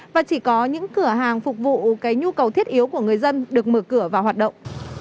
và chỉ có những cửa hàng phục vụ cái nhu cầu thiết yếu của người dân được mở cửa và hoạt động